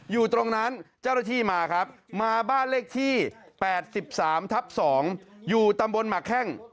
อยู่ตรงนั้นเจ้าหน้าที่มาครับมาบ้านเลขที่๘๓ทับ๒อยู่ตำบลหมักแข้ง